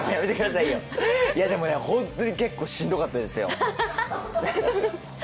本当に結構しんどかったですよ。